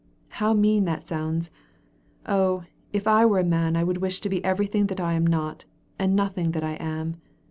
"How mean that sounds! Oh, if I were a man I would wish to be everything that I am not, and nothing that I am.